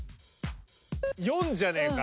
４じゃねえか？